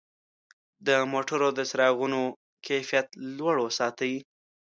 د موټرو د څراغونو کیفیت لوړ وساتئ.